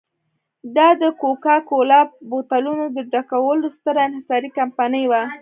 دا د کوکا کولا بوتلونو ډکولو ستره انحصاري کمپنۍ وه.